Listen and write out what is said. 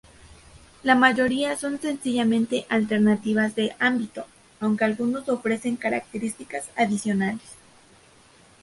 La mayoría son sencillamente alternativas de ámbito, aunque algunos ofrecen características adicionales.